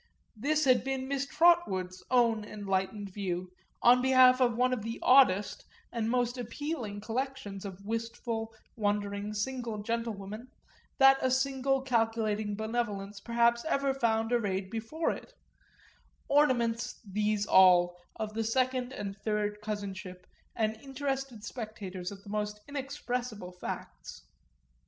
This had been Miss Trotwood's own enlightened view, on behalf of one of the oddest and most appealing collections of wistful wondering single gentlewomen that a great calculating benevolence perhaps ever found arrayed before it ornaments these all of the second and third cousinship and interested spectators of the almost inexpressible facts.